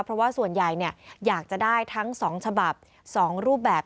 เพราะว่าส่วนใหญ่อยากจะได้ทั้ง๒ฉบับ๒รูปแบบ